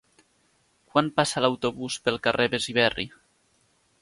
Quan passa l'autobús pel carrer Besiberri?